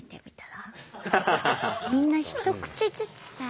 みんな一口ずつさあ。